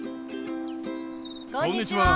こんにちは。